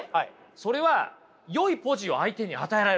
それはよいポジを相手に与えられるわけです。